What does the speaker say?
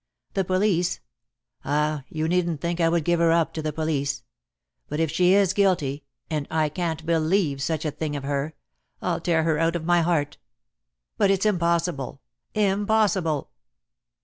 The police ah, you needn't think I would give her up to the police. But if she is guilty (and I can't believe such a thing of her) I'll tear her out of my heart. But it's impossible, impossible!"